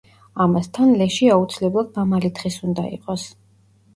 ამასთან, ლეში აუცილებლად მამალი თხის უნდა იყოს.